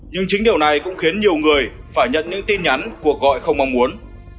nhưng chính điều này cũng khiến nhiều người phải nhận những tin nhắn cuộc gọi không mong muốn